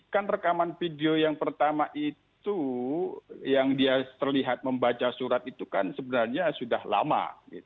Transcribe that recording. kan rekaman video yang pertama itu yang dia terlihat membaca surat itu kan sebenarnya sudah lama